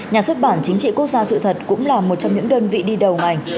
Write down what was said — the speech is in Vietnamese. nhà xuất bản chính trị quốc gia sự thật cũng là một trong những đơn vị đi đầu ngành